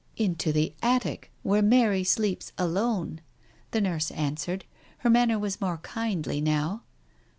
"Into the attic, where Mary sleeps alone," the nurse answered. Her manner was more kindly now.